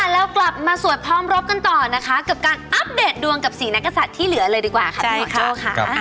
แล้วกลับมาสวดพร้อมรบกันต่อนะคะกับการอัปเดตดวงกับ๔นักศัตริย์ที่เหลือเลยดีกว่าค่ะพี่โก้ค่ะ